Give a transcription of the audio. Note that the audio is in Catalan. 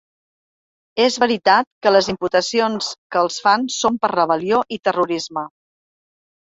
És veritat que les imputacions que els fan són per rebel·lió i terrorisme.